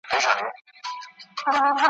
د باغلیو کروندو ته یې روان کړل `